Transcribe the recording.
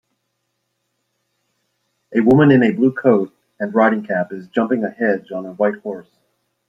A woman in a blue coat and riding cap is jumping a hedge on a white horse